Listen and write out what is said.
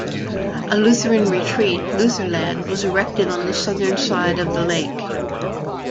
A Lutheran retreat, Lutherland, was erected on the southern side of the lake.